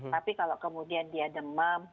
tapi kalau kemudian dia demam